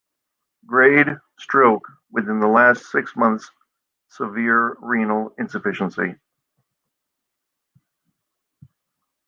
Grade, stroke within the last six months, severe renal insufficiency.